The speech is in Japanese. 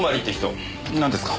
なんですか？